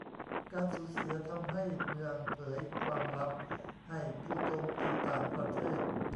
การสูญเสียทำให้เมืองเผยความลับให้ผู้โจมตีต่างประเทศ